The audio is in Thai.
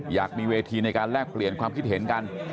อยากมีเวทีในการแลกเปลี่ยนความคิดเห็นกัน